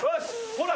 ほら。